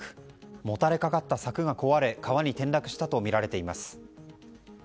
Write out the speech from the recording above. もたれかかった柵が壊れ川に転落したとみられています。